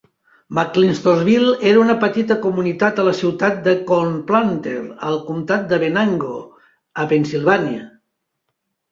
McClintocksville era una petita comunitat a la ciutat de Cornplanter, al comtat de Venango, a Pennsilvània.